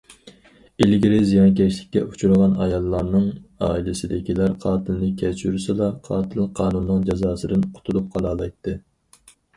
ئىلگىرى، زىيانكەشلىككە ئۇچرىغان ئاياللارنىڭ ئائىلىسىدىكىلەر قاتىلنى كەچۈرسىلا، قاتىل قانۇننىڭ جازاسىدىن قۇتۇلۇپ قالالايتتى.